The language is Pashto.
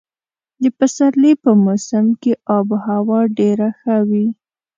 د پسرلي په موسم کې اب هوا ډېره ښه وي.